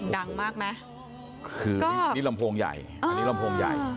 ดังมากไหมคือนี่นี่ลำโพงใหญ่อันนี้ลำโพงใหญ่